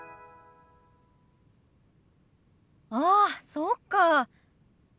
ああそうか。